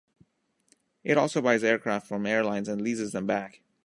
It also buys aircraft from airlines and leases them back.